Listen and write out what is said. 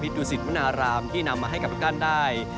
พิธุสิตวนรามที่นำมาให้กับรการได้